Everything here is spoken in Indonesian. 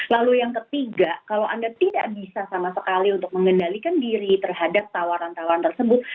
lalu yang ketiga kalau anda tidak bisa sama sekali untuk mengendalikan diri terhadap tawaran tawaran tersebut